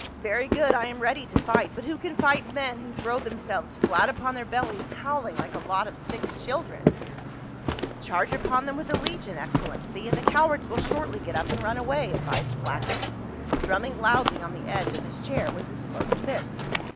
Very good, I am ready to fight, but who can fight men who throw themselves flat upon their bellies howling like a lot of sick children ?" THE COLOSSUS OF SIDON. 173 " Charge upon tlicni with a legion, excellency, and the cowards will shortl>' get up and run away," advised Flaccus, drumming loudly on the edge of his chair with his closed fist.